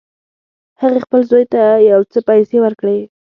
هغې خپل زوی ته یو څه پیسې ورکړې